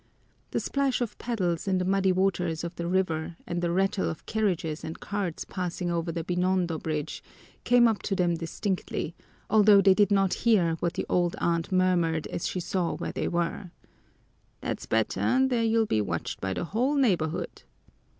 The splash of paddles in the muddy waters of the river and the rattle of carriages and carts passing over the Binondo bridge came up to them distinctly, although they did not hear what the old aunt murmured as she saw where they were: "That's better, there you'll be watched by the whole neighborhood."